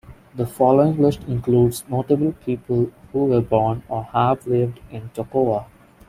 The following list includes notable people who were born or have lived in Toccoa.